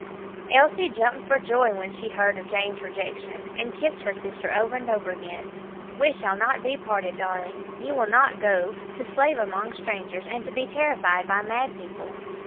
Elsie jumped for joy when she heard of Jane's rejection, and kissed her sister over and over again. "We shall not be parted, darling; you will not go to slave among strangers and to be terrified by mad people.